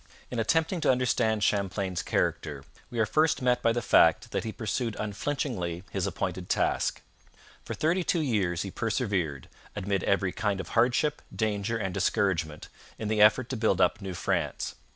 In attempting to understand Champlain's character, we are first met by the fact that he pursued unflinchingly his appointed task. For thirty two years he persevered, amid every kind of hardship, danger, and discouragement, in the effort to build up New France.